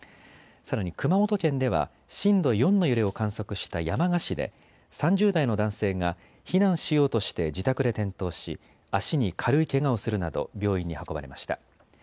さらに熊本県では震度４の揺れを観測した山鹿市で３０代の男性が避難しようとして自宅で転倒し足に軽いけがをするなど病院に運ばれました。